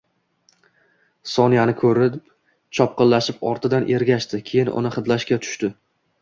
Sonyani koʻrib, chopqillab ortidan ergashdi, keyin uni hidlashga tushdi